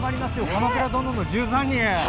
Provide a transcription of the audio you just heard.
「鎌倉殿の１３人」。